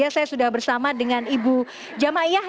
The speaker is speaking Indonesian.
saya sudah bersama dengan ibu jamayah